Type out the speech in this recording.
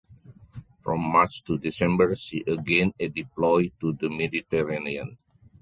From March to December, she again deployed to the Mediterranean.